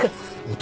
男？